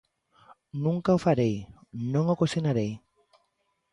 Nunca o farei, non o cuestionarei.